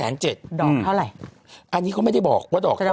ดอกเท่าไหร่อันนี้เขาไม่ได้บอกว่าดอกแค่นั้น